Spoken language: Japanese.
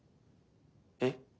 えっ？